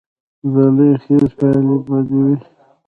د لوی خیز پایلې بدې وې.